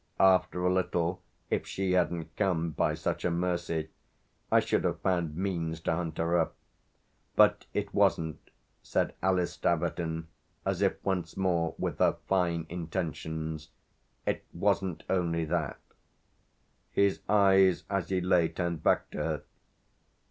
After a little, if she hadn't come, by such a mercy, I should have found means to hunt her up. But it wasn't," said Alice Staverton, as if once more with her fine intentions "it wasn't only that." His eyes, as he lay, turned back to her.